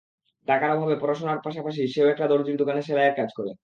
টাকার অভাবে পড়াশোনার পাশাপাশি সেও একটা দরজির দোকানে সেলাইয়ের কাজ করে।